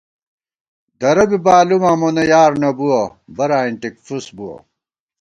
درہ بی بالُماں مونہ یار نہ بُوَہ، براں اِنٹِک فُس بُوَہ